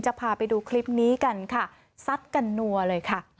พาไปดูคลิปนี้กันค่ะซัดกันนัวเลยค่ะ